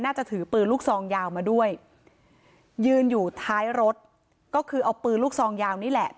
ถือปืนลูกซองยาวมาด้วยยืนอยู่ท้ายรถก็คือเอาปืนลูกซองยาวนี่แหละ